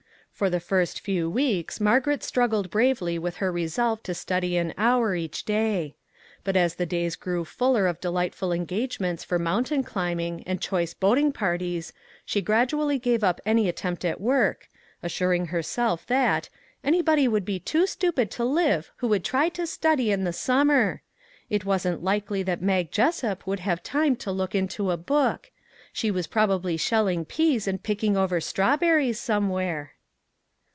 For the first few weeks Margaret struggled bravely with her resolve to study an hour each day, but as the days grew fuller of delightful engagements for mountain climbing and choice boating parties she gradually gave up any at tempt at work, assuring herself that " anybody would be too stupid to live who would try to 361 MAG AND MARGARET study in the summer. It wasn't likely that Mag Jessup would have time to look into a book; she was probably shelling peas and picking over strawberries somewhere."